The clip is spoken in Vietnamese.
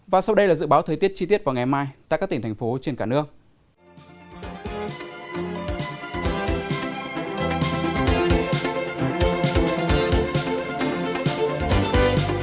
và sau đây là dự báo thời tiết chi tiết vào ngày mai tại các tỉnh thành phố trên cả nước